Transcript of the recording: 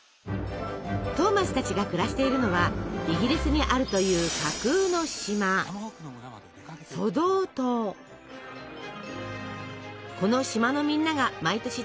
トーマスたちが暮らしているのはイギリスにあるという架空の島この島のみんなが毎年楽しみにしていること。